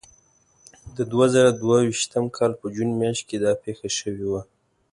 د دوه زره دوه ویشتم کال په جون میاشت کې دا پېښه شوې وه.